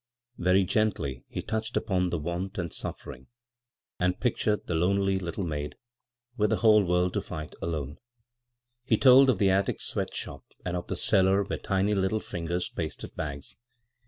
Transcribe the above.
Very gendy he touched upon the want and «ifiering, and pictured the lonely little maid »4 b, Google CROSS CURRENTS with the whole world to fight alone. He told of the attic sweat ^hop, and of the cellar where tiny little fingers pasted bags.